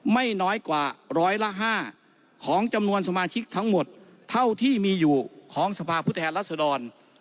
ไม่น้อยกว่าร้อยละ๕ของจำนวนสมาชิกทั้งหมดเท่าที่มีอยู่ของสภาพผู้แทนรัศดร